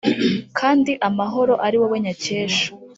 kandi amahoro ari wowe nyakesha.